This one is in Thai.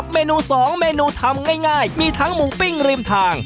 เมนู๒เมนูทำง่ายมีทั้งหมูปิ้งริมทาง